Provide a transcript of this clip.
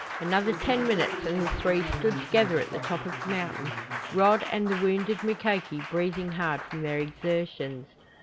Another ten minutes and the three stood together at the top of the mountain, Rod and the wounded Mukoki breathing hard from their exertions.